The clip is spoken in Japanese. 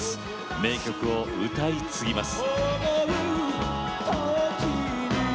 名曲を歌い継ぎます。